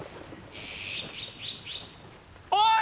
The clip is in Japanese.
おい！